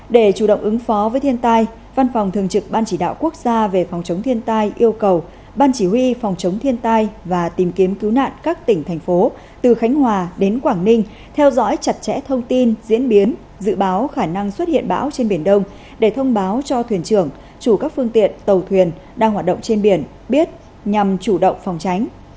để chủ động ứng phó với thiên tai văn phòng thường trực ban chỉ đạo quốc gia về phòng chống thiên tai yêu cầu ban chỉ huy phòng chống thiên tai và tìm kiếm cứu nạn các tỉnh thành phố từ khánh hòa đến quảng ninh theo dõi chặt chẽ thông tin diễn biến dự báo khả năng xuất hiện bão trên biển đông để thông báo cho thuyền trưởng chủ các phương tiện tàu thuyền đang hoạt động trên biển biết nhằm chủ động phòng tránh